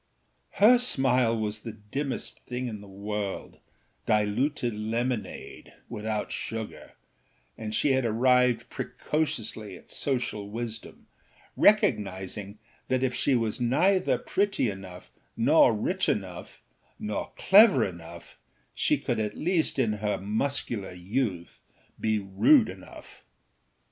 Her smile was the dimmest thing in the world, diluted lemonade, without sugar, and she had arrived precociously at social wisdom, recognising that if she was neither pretty enough nor rich enough nor clever enough, she could at least in her muscular youth be rude enough.